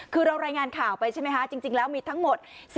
คือเรารายงานข่าวไปใช่ไหมคะจริงแล้วมีทั้งหมด